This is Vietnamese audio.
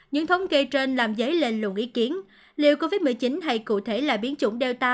những thông kê trên làm dấy lên lùng ý kiến liệu covid một mươi chín hay cụ thể là biến chủng delta